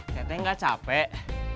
teteh gak capek